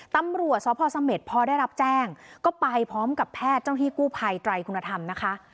ตำรวจสพสเม็ดพอได้รับแจ้งก็ไปพร้อมกับแพทย์เจ้าที่กู้ภัยไตรคุณธรรมนะคะ